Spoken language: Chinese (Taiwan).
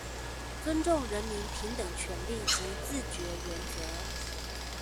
尊重人民平等權利及自決原則